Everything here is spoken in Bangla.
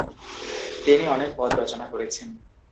তিনি অনেক পদ রচনা করেছেন।